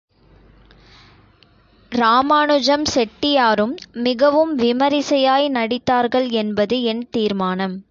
ராமாநுஜம் செட்டியாரும் மிகவும் விமரிசையாய் நடித்தார்கள் என்பது என் தீர்மானம்.